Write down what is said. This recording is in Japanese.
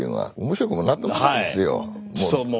面白くも何ともないんですよ。